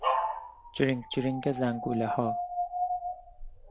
جرینگ جرینگ زنگولهها